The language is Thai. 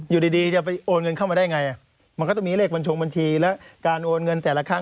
อยู่ดีจะไปโอนเงินเข้ามาได้ไงมันก็ต้องมีเลขบัญชงบัญชีแล้วการโอนเงินแต่ละครั้ง